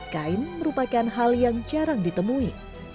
kain merupakan hal yang jarang ditemui